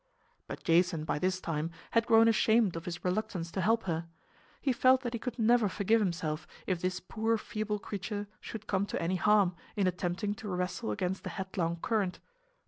But Jason by this time had grown ashamed of his reluctance to help her. He felt that he could never forgive himself if this poor feeble creature should come to any harm in attempting to wrestle against the headlong current.